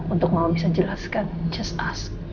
untuk mama bisa jelaskan tanya aja